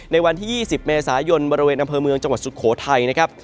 ในวันที่๒๐เมษายนบริเวณอำเภอเมืองจังหวัดสุโขทัยนะครับ